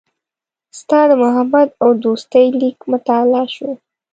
ستا د محبت او دوستۍ لیک مطالعه شو.